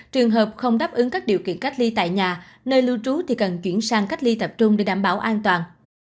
trường hợp không đáp ứng các điều kiện cách ly tại nhà nơi lưu trú thì cần chuyển sang cách ly tập trung để đảm bảo an toàn